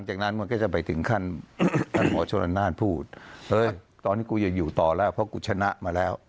ตอนนี้กูอย่าอยู่ต่อล่ะเพราะกูชนะ